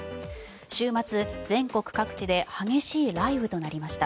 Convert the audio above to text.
週末、全国各地で激しい雷雨となりました。